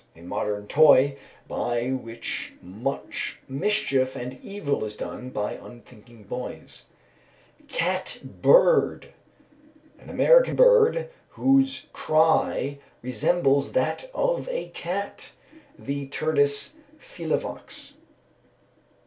A modern toy, by which much mischief and evil is done by unthinking boys. Cat bird. An American bird, whose cry resembles that of a cat, the _Turdus felivox.